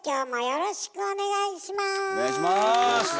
よろしくお願いします！